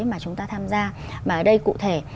mà chúng ta tham gia mà ở đây cụ thể